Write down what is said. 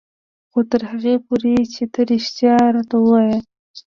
خو تر هغې پورې چې ته رښتيا راته وايې.